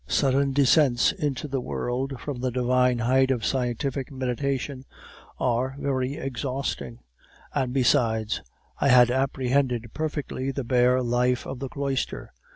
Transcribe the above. "Sudden descents into the world from the divine height of scientific meditation are very exhausting; and, besides, I had apprehended perfectly the bare life of the cloister.